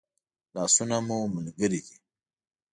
لاسونه مو ملګري دي